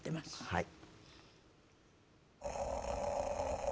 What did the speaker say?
はい。